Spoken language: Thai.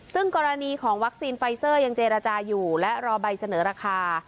ซึ่งกรณีของวัคซีนไฟเซอร์ยังเจรจาอยู่และรอใบเสนอราคา